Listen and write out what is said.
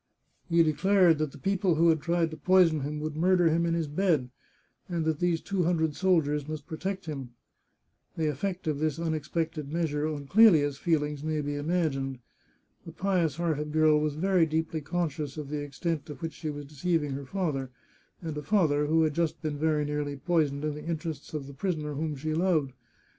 He declared that the people who had tried to poison him would murder him in his bed, and that these two hundred soldiers must protect him. The effect of this unexpected measure on Clelia's feelings may be imagined. The pious hearted girl was very deeply conscious of the extent to which she was deceiving her father, and a father who had just been very nearly poisoned in the interests of the prisoner whom she loved.